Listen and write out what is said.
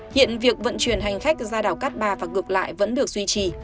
hiện việc vận chuyển hành khách ra đảo cát ba và gược lại vẫn được duy trì